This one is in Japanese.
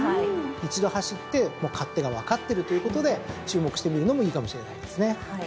一度走って勝手が分かってるということで注目してみるのもいいかもしれないですね。